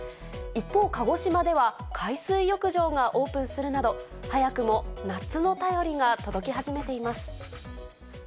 一方、鹿児島では海水浴場がオープンするなど、早くも夏の便りが届き始めています。